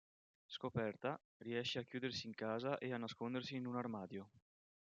Scoperta, riesce a chiudersi in casa e a nascondersi in un armadio.